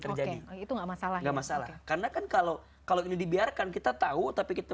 terjadi itu enggak masalah enggak masalah karena kan kalau kalau ini dibiarkan kita tahu tapi kita